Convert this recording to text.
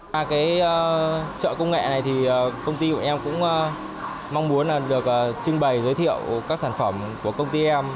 trong trợ công nghệ này công ty của em cũng mong muốn được trưng bày giới thiệu các sản phẩm của công ty em